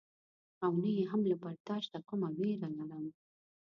او نه یې هم له برداشته کومه وېره لرم.